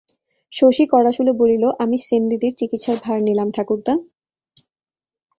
শশী কড়াসুরে বলিল, আমি সেনদিদির চিকিৎসার ভার নিলাম ঠাকুরদা।